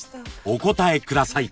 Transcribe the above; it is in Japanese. お答えください。